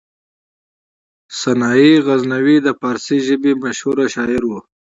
سنايي غزنوي د فارسي ژبې مشهور شاعر و.